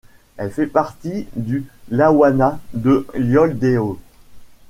Elle fait partie du lawanat de Yoldéo.